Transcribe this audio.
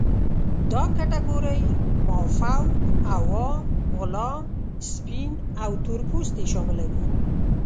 دا کټګورۍ مافوق، عوام، غلام، سپین او تور پوستې شاملوي.